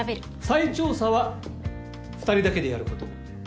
再調査は２人だけでやること。